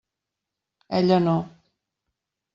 Ella no.